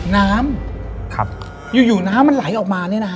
น้ำอยู่น้ำมันไหลออกมาเนี่ยนะฮะ